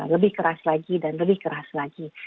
lebih keras lagi dan lebih keras lagi